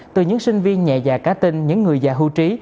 từ những sinh viên nhẹ dạ cá tinh những người dạ hưu trí